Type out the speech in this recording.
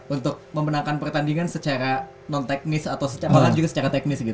untuk memenangkan pertandingan secara non teknis atau secara juga secara teknis